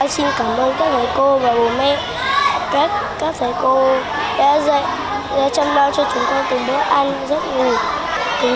xin cảm ơn các người cô và bố mẹ các thầy cô đã dạy đã chăm đo cho chúng tôi từng bữa ăn rất nhiều